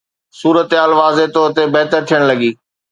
صورتحال واضح طور تي بهتر ٿيڻ لڳي.